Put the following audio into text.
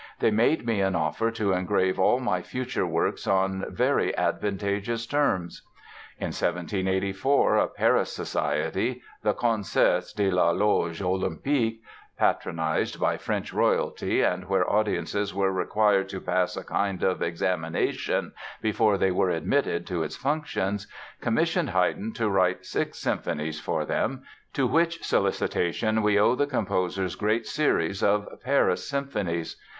They made me an offer to engrave all my future works on very advantageous terms." In 1784 a Paris society, the Concerts de la Loge Olympique (patronized by French royalty, and where audiences were required to pass a kind of examination before they were admitted to its functions) commissioned Haydn to write six symphonies for them, to which solicitation we owe the composer's great series of "Paris" Symphonies.